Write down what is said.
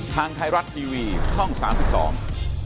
ทางไทยรัฐทีวีช่องสามสิบสอง